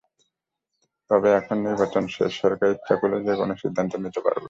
তবে এখন নির্বাচন শেষ, সরকার ইচ্ছে করলে যেকোনো সিদ্ধান্ত নিতে পারবে।